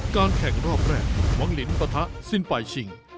การแข่งรอบแรกมองลินปะทะสิ้นไฟชิง